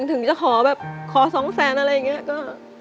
ถึงจะขอแบบขอ๒๐๐๐๐๐บาทอะไรอย่างนี้ก็